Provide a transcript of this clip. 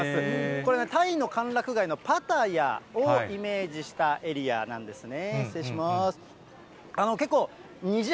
これね、タイの歓楽街のパタヤをイメージしたエリアなんですね。